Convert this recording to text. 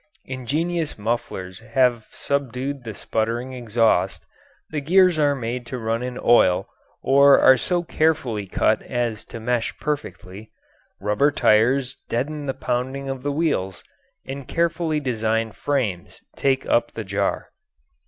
Ingenious mufflers have subdued the sputtering exhaust, the gears are made to run in oil or are so carefully cut as to mesh perfectly, rubber tires deaden the pounding of the wheels, and carefully designed frames take up the jar.